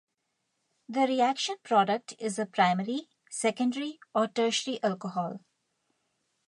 The reaction product is a primary, secondary or tertiary alcohol.